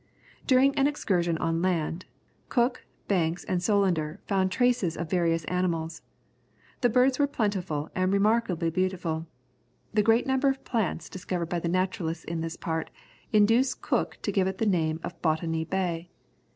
During an excursion on land, Cook, Banks, and Solander found traces of various animals. The birds were plentiful, and remarkably beautiful. The great number of plants discovered by the naturalists in this part, induced Cook to give it the name of Botany Bay.